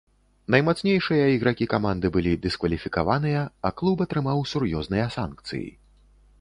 Наймацнейшыя ігракі каманды былі дыскваліфікаваныя, а клуб атрымаў сур'ёзныя санкцыі.